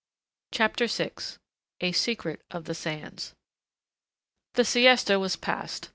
CHAPTER VI A SECRET OF THE SANDS The siesta was past.